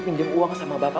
pinjam uang sama bapak